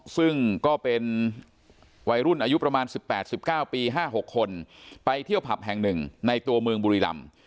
ซึ่งก็เป็นวัยรุ่นอายุประมาณ๑๘๑๙ปี๕๖คนไปเที่ยวผับแห่งหนึ่งในตัวเมืองบุรีรำ